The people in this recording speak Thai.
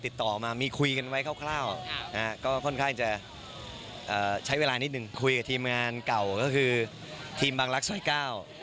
โดยการคุยกับทีมงานเก่าก็คือทีมบางรักซอยก้าว